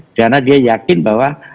karena dia yakin bahwa